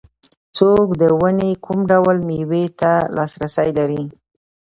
څوک د ونې کوم ډول مېوې ته لاسرسی لري